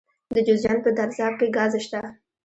د جوزجان په درزاب کې ګاز شته.